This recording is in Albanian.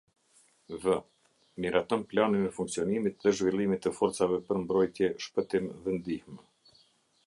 V. miraton planin e funksionimit dhe zhvillimit të forcave për mbrojtje, shpëtim dhe ndihmë.